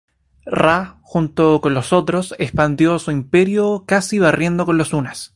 Ra, junto con los otros, expandió su imperio casi barriendo con los Unas.